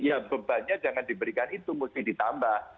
ya bebannya jangan diberikan itu mesti ditambah